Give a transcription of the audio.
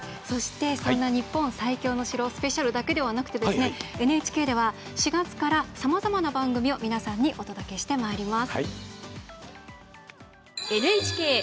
そんな「日本最強の城スペシャル」だけではなくてＮＨＫでは４月からさまざまな番組を皆さんにお届けしてまいります。